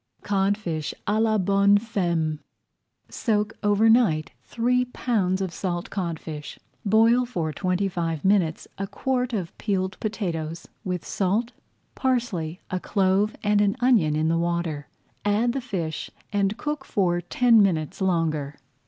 CODFISH À LA BONNE FEMME Soak over night three pounds of salt codfish. [Page 102] Boil for twenty five minutes a quart of peeled potatoes, with salt, parsley, a clove, and an onion in the water. Add the fish and cook for ten minutes longer.